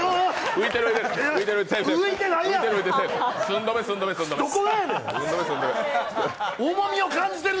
浮いてる。